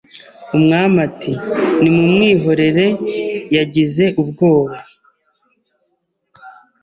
Umwami ati Nimumwihorere yagize ubwoba